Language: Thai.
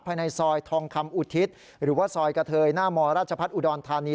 ภายในซอยทองคำอุทิศหรือว่าซอยกระเทยหน้ามราชพัฒน์อุดรธานี